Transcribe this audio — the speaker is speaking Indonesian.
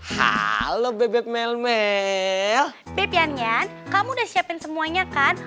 halo bebek melmel pipiannya kamu udah siapin semuanya kan